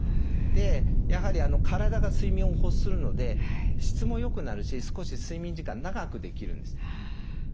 でやはり体が睡眠を欲するので質も良くなるし少し睡眠時間長くできるんですね。